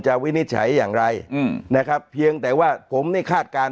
วินิจฉัยอย่างไรอืมนะครับเพียงแต่ว่าผมนี่คาดการณ